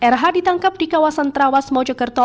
rh ditangkap di kawasan trawas mojokerto